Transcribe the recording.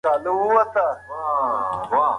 هغه سړی به تر مرګ پورې د منډېلا د دې نېکۍ پوروړی وي.